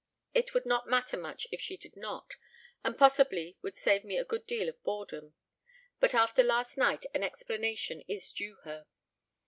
It would not matter much if she did not, and possibly would save me a good deal of boredom, but after last night an explanation is due her.